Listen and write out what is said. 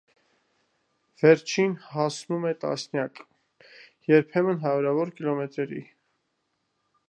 Վերջինս հասնում է տասնյակ, երբեմն հարյուրավոր կիլոմետրերի։